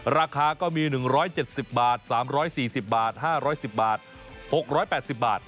ราคาก็มี๑๗๐บาท๓๔๐บาท๕๑๐บาท๖๘๐บาท